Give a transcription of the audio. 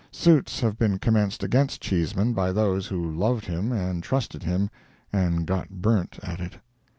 Suits have been commenced against Cheesman by those who loved him and trusted him, and got burnt at it.